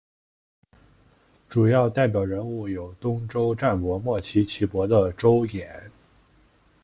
主要代表人物有东周战国末期齐国的邹衍。